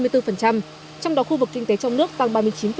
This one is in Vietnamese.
trong đó khu vực kinh tế trong nước tăng ba mươi chín